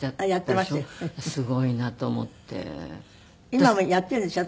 今もやっているんですよ